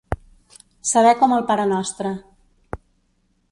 Saber com el parenostre.